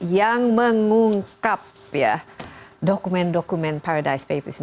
yang mengungkap dokumen dokumen paradise papers